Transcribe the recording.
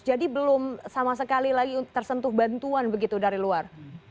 jadi belum sama sekali lagi tersentuh bantuan begitu dari luar